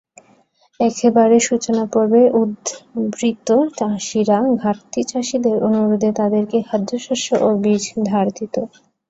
একেবারে সূচনাপর্বে উদ্বৃত্ত চাষিরা ঘাটতি চাষিদের অনুরোধে তাদেরকে খাদ্যশস্য ও বীজ ধার দিত।